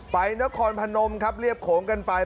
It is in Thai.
ไปนครพนมครับเรียบโขงกันไป